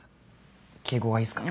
敬語がいいっすか？